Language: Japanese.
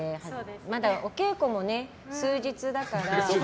まだお稽古も数日だから。